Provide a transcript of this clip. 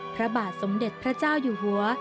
พระบาทสมเด็จพระเจ้าอยู่หัว